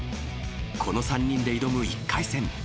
この３人で挑む１回戦。